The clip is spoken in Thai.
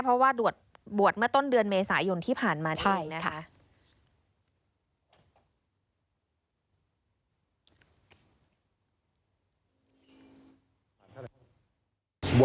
เพราะว่าบวชเมื่อต้นเดือนเมษายนที่ผ่านมานี่เองนะคะ